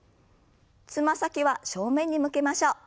つま先は正面に向けましょう。